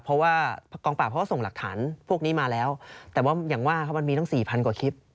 เพราะว่ากองปราบส่งหลักฐานพวกนี้มาแล้วแต่ว่ามีตั้ง๔๐๐๐กว่าคลิป